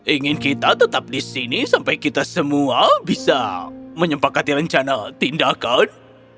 ingin kita tetap di sini sampai kita semua bisa menyempakati rencana tindakan